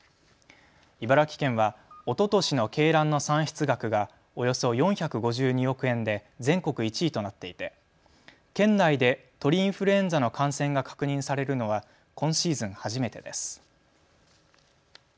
茨城県はおととしの鶏卵の産出額がおよそ４５２億円で全国１位となっていて県内で鳥インフルエンザの感染が確認されるのは今シーズン初めてです。